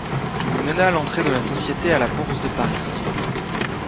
Il mena l'entrée de la société à la bourse de Paris.